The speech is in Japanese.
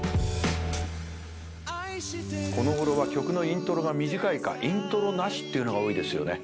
この頃は曲のイントロが短いかイントロなしっていうのが多いですよね。